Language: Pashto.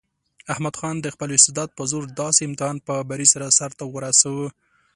احمد خان د خپل استعداد په زور داسې امتحان په بري سره سرته ورساوه.